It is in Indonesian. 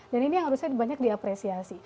dan ini yang harusnya banyak diapresiasi